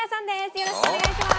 よろしくお願いします。